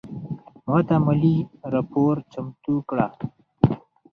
ماته مالي راپور چمتو کړه